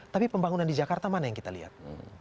tapi pembangunan di jakarta mana yang kita lihat